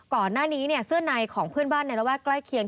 ก่อนหน้านี้เนี่ยเสื้อในของเพื่อนบ้านในระแวกใกล้เคียง